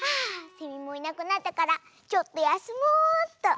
セミもいなくなったからちょっとやすもうっと。